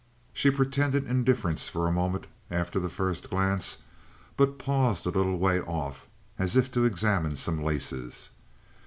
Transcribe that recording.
She pretended indifference for a moment after the first glance, but paused a little way off as if to examine some laces.